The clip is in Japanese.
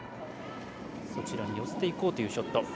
そちらに寄せていこうというショット。